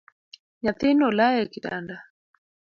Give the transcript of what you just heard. Nyathino olayo e kitanda.